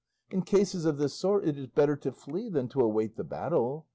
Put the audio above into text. In cases of this sort it is better to flee than to await the battle.